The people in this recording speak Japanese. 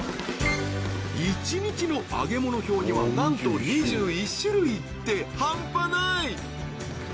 一日の揚げ物表にはなんと２１種類ってハンパない！